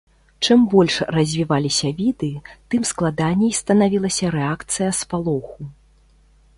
Чым больш развіваліся віды, тым складаней станавілася рэакцыя спалоху.